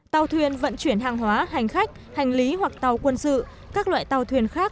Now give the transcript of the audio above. tàu thuyền vận chuyển hàng hóa hành khách hành lý hoặc tàu quân sự các loại tàu thuyền khác